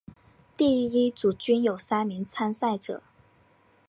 每一组均有三名参赛者。